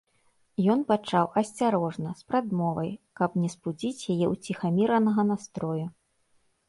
Ён пачаў асцярожна, з прадмовай, каб не спудзіць яе ўціхаміранага настрою.